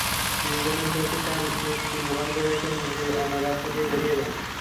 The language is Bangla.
বিশজনের প্রতি তার দৃষ্টি নিবদ্ধ রেখে নিজে অন্য রাস্তা দিয়ে বেরিয়ে যান।